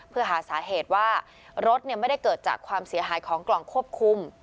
เพื่อหาสาเหตุว่ารถไม่ได้เกิดจากความเสียหายของกล่องควบคุม